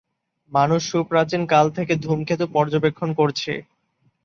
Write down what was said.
মানুষ সুপ্রাচীন কাল থেকে ধূমকেতু পর্যবেক্ষণ করছে।